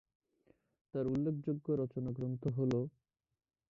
তার উল্লেখযোগ্য রচনা গ্রন্থ হল-